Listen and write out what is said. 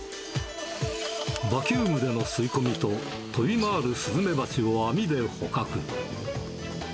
バキュームでの吸い込みと、飛び回るスズメバチを網で捕獲。